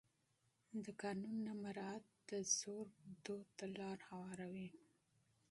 د قانون نه مراعت د زور فرهنګ ته لاره هواروي